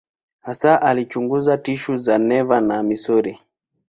Hasa alichunguza tishu za neva na misuli.